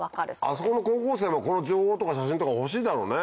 あそこの高校生もこの情報とか写真とか欲しいだろうね。